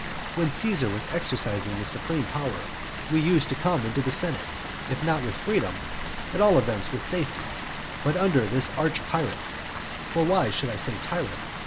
When Caesar was exercising the supreme power, we used to come into the senate, if not with freedom, at all events with safety. But under this arch pirate, (for why should I say tyrant?)